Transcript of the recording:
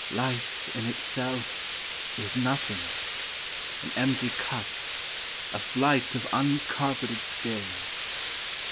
Life in itself Is nothing, An empty cup, a flight of uncarpeted stairs.